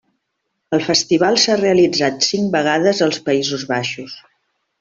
El festival s'ha realitzat cinc vegades als Països Baixos.